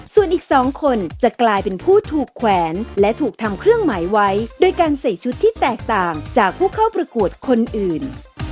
ส่วนอีก๒คนจะกลายเป็นผู้ถูกแขวนและถูกทำเครื่องหมายไว้โดยการใส่ชุดที่แตกต่างจากผู้เข้าประกวดคนอื่น